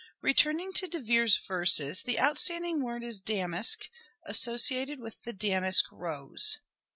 Returning to De Vere's verses the outstanding word is " damask," associated with the " damask rose."